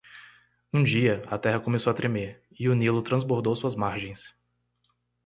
Um dia? a terra começou a tremer? e o Nilo transbordou suas margens.